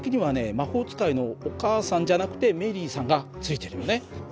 魔法使いのお母さんじゃなくてメリーさんがついてるよね。